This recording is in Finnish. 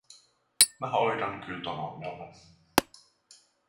“Mä hoidan kyl ton ongelman.